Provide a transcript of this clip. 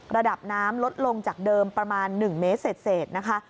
ระดับน้ำลดลงจากเดิมประมาณ๑เมตรเศษนะคะ